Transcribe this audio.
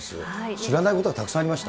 知らないことがたくさんありました。